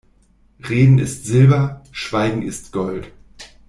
Reden ist Silber, Schweigen ist Gold.